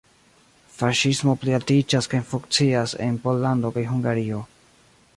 Faŝismo plialtiĝas kaj funkcias en Pollando kaj Hungario.